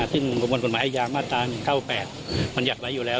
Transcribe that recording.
ซึ่งบังคุณกฎหมายให้ยามมาตรา๑๙๘มันหยัดไว้อยู่แล้ว